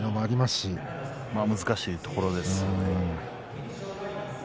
難しいところですね。